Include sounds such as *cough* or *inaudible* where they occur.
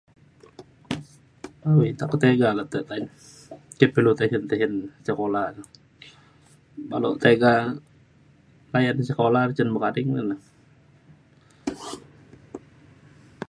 awai takut tiga le te ta’en. *unintelligible* lu tejen tejen sekula. badu tiga layan sekula cin buk ading na le .